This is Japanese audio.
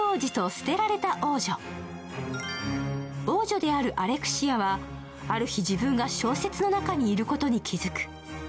王女であるアレクシアはある日、自分が小説の中にいることに気付く。